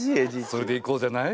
それでいこうじゃない。